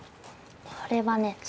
これはね